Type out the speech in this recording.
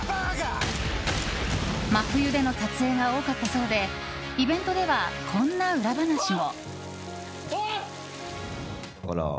真冬での撮影が多かったそうでイベントではこんな裏話も。